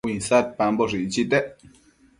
uinsadpamboshë icchitec